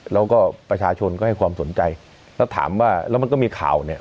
แล้วก็ประชาชนก็ให้ความสนใจแล้วถามว่าแล้วมันก็มีข่าวเนี่ย